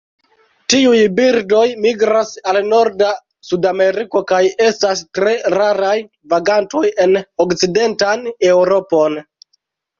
Tiuj birdoj migras al norda Sudameriko, kaj estas tre raraj vagantoj en okcidentan Eŭropon.